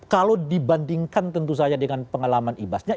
kalau dibandingkan tentu saja dengan pengalaman ibasnya